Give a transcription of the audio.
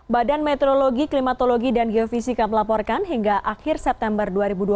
badan meteorologi klimatologi dan geofisika melaporkan hingga akhir september dua ribu dua puluh